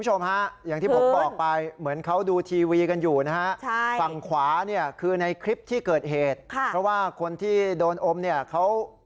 จุดนี้ครับคุณผู้ชมฮะ